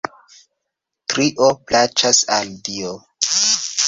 Trio plaĉas al Dio.